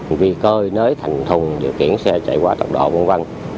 nguy cơ nới thành thùng điều kiện xe chạy quá tật độ v v